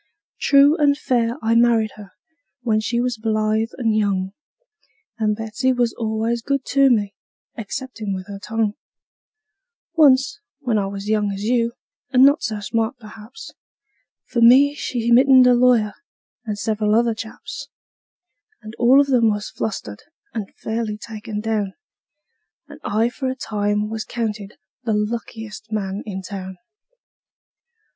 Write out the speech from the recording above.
True and fair I married her, when she was blithe and young; And Betsey was al'ays good to me, exceptin' with her tongue. [ image not found: CarleFarmB 19, CarleFarmB 19 ] Once, when I was young as you, and not so smart, perhaps, For me she mittened a lawyer, and several other chaps; And all of them was flustered, and fairly taken down, And I for a time was counted the luckiest man in town.